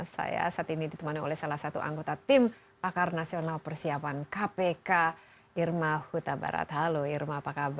saya saat ini ditemani oleh salah satu anggota tim pakar nasional persiapan kpk irma huta barat halo irma apa kabar